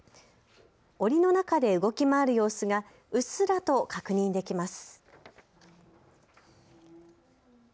おりの中で動き回る様子がうっすらと確認できます。